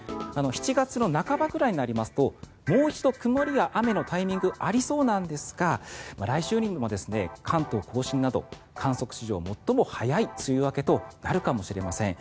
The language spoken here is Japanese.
７月の半ばくらいになりますともう一度曇りや雨のタイミングがありそうなんですが来週にも関東・甲信など観測史上最も早い梅雨明けとなるかもしれません。